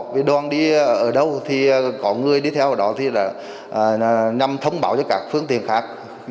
vì đoàn đi ở đâu thì có người đi theo đó thì là nhằm thông báo cho các phương tiện khác